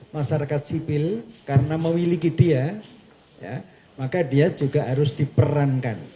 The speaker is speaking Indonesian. masyarakat sipil karena memiliki dia maka dia juga harus diperankan